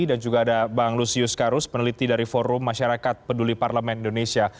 dan juga ada bang lusius karus peneliti dari forum masyarakat peduli parlemen indonesia